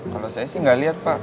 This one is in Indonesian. kalau saya sih nggak lihat pak